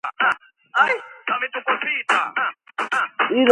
თავდაპირველად ხიდს ოფიციალურად უწოდებდნენ „პატარა ჯაჭვის ხიდი მოიკაზე“.